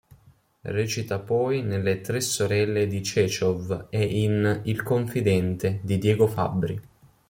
Recita poi nelle "Tre sorelle" di Cechov e in "Il confidente" di Diego Fabbri.